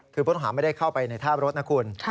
คือผู้ต้องหาไม่ได้เข้าไปในท่ารถนะคุณ